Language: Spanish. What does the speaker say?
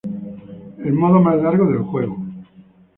El modo más largo del juego.